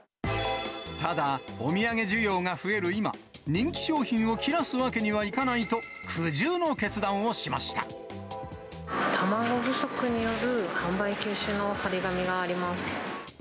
ただ、お土産需要が増える今、人気商品を切らすわけにはいかないと、卵不足による販売休止の貼り紙があります。